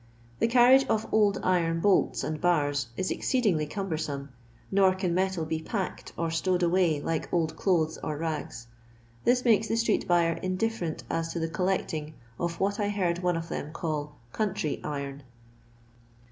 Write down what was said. The carriage of old iron bolts and bars is exceedingly cumbersome ; nor can metal be packed or stowed away like old clothes or rags. This makes the street buyer indifferent as to the collecting of what I heard one of them call " country iron."